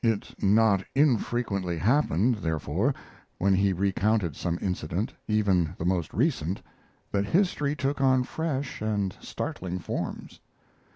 It not infrequently happened, therefore, when he recounted some incident, even the most recent, that history took on fresh and startling forms.